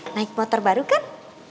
naik motor baru kan